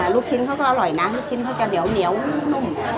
ลูกชิ้นเค้าก็อร่อยนะลูกชิ้นเค้าก็เนี๋ยวเนี๊ยวนุ่ม